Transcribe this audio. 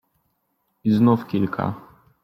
I znów kilka.